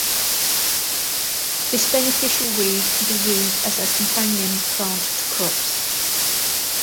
This beneficial weed can be used as a companion plant to crops.